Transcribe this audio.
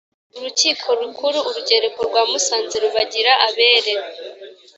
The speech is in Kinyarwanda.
urukiko rukuru, urugereko rwa musanze rubagira abere